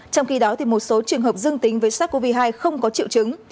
trong khi đó một số trường hợp dương tính với sars cov hai không có triệu chứng